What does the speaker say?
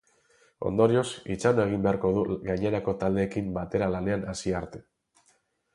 Ondorioz, itxaron egin beharko du gainerako taldekideekin batera lanean hasi arte.